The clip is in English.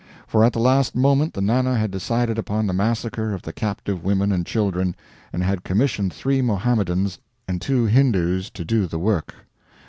For at the last moment the Nana had decided upon the massacre of the captive women and children, and had commissioned three Mohammedans and two Hindoos to do the work.